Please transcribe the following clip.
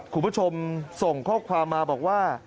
คุณผู้ชมส่งข้อความมาบอกว่า